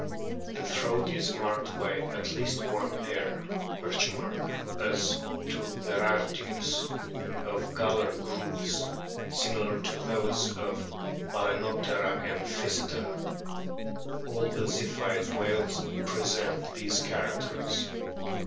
The throat is marked by at least one pair (? as to Berardius) of gular grooves, similar to those of Baleenoptera and Pkyseter. All the Ziphioid whales present these characters.